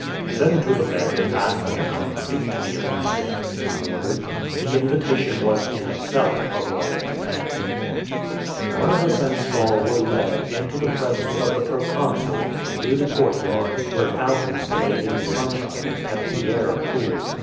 " Send to the men and ask them to come and speak to me of these things," he ordered. The invitation was in itself a royal command. Barnabas and Saul were led, into the presence of the proconsul, through the courtyards, where foun tains played in the sunshine and kept the air cool.